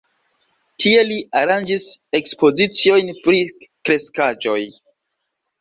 Tie li aranĝis ekspoziciojn pri kreskaĵoj.